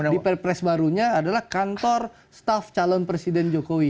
di press barunya adalah kantor staff calon presiden jokowi